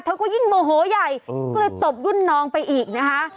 ก็ยิ่งโมโหใหญ่ก็เลยตบรุ่นน้องไปอีกนะคะ